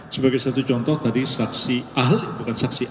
sebagai satu contoh tadi saksi ahli bukan saksi ahli